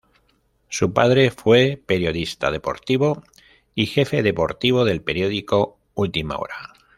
Su padre fue periodista deportivo y jefe deportivo del periódico "Última Hora".